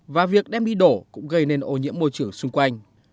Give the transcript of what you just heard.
và việc đem đi đổ cũng gây nên ô nhiễm môi trường xung quanh